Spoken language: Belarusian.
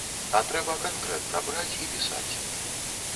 А трэба канкрэтна браць і пісаць.